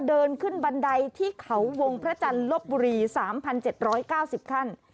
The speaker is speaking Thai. เดินขึ้นบันไดที่เขาวงพระจันทร์ลบบุรี๓๗๙๐ขั้น